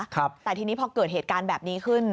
แต่ทีนี้พอเกิดเหตุการณ์แบบนี้ขึ้น